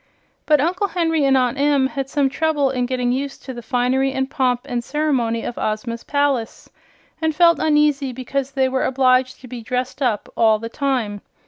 But Uncle Henry and Aunt Em had some trouble in getting used to the finery and pomp and ceremony of Ozma's palace, and felt uneasy because they were obliged to be "dressed up" all the time.